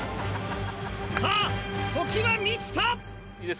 さぁ時は満ちた！